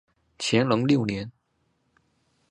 乾隆六年。